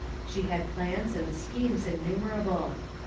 She had plans and schemes innumerable.